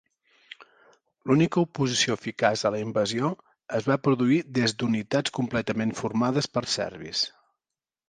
L'única oposició eficaç a la invasió es va produir des d'unitats completament formades per serbis.